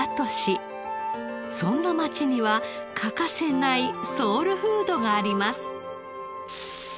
そんな町には欠かせないソウルフードがあります。